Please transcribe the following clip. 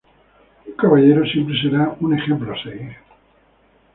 Un caballero siempre será un ejemplo a seguir.